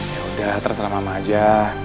ya udah terserah mama aja